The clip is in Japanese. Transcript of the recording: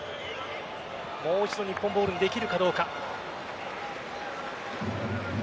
もう一度日本ボールにできるかどうか。